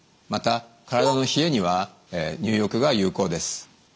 また体の冷えには入浴が有効です。